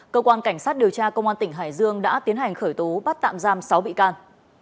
cơ quan cảnh sát điều tra công an tỉnh hải dương đã tiến hành khởi tố bắt tạm giam sáu bị can